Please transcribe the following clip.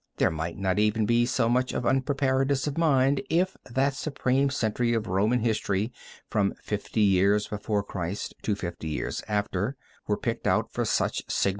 There might not even be so much of unpreparedness of mind if that supreme century of Roman History, from fifty years before Christ to fifty years after, were picked out for such signal notice.